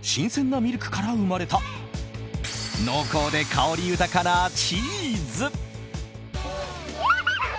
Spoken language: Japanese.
新鮮なミルクから生まれた濃厚で香り豊かなチーズ。